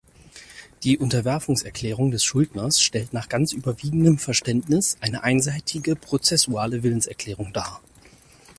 Die "Unterwerfungserklärung" des Schuldners stellt nach ganz überwiegendem Verständnis eine einseitige prozessuale Willenserklärung dar.